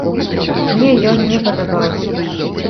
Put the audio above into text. Мне ён не падабаўся.